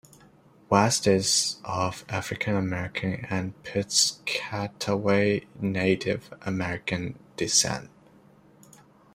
West is of African American and Piscataway Native American descent.